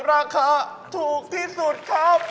ราคาถูกที่สุดครับ